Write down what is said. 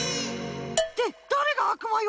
ってだれがあくまよ！